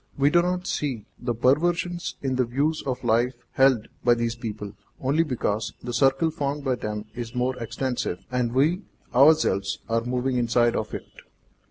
We do not see the perversion in the views of life held by these people, only because the circle formed by them is more extensive, and we ourselves are moving inside of it.